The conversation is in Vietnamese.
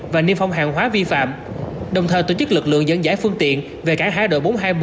và niêm phong hàng hóa vi phạm đồng thời tổ chức lực lượng dẫn giải phương tiện về cảng hải đội bốn trăm hai mươi một